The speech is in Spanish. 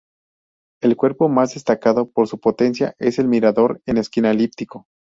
El cuerpo más destacado por su potencia es el mirador en esquina elíptico.